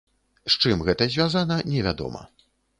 З чым гэта звязана, невядома.